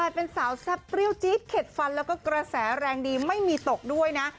เป็นสาวแซ่บเปรี้ยวจี๊ดเข็ดฟันแล้วก็กระแสแรงดีไม่มีตกด้วยนะ